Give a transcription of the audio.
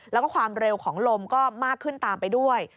แล้วก็ความเร็วของลมก็มากขึ้นตามไปด้วย